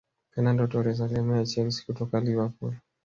Fernando Torres alihamia chelsea kutoka liverpool